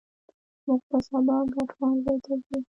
مونږ به سبا ګډ ښوونځي ته ځو